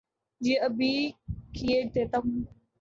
جی ابھی کیئے دیتا ہو